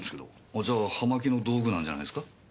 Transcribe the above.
あじゃあ葉巻の道具なんじゃないですか？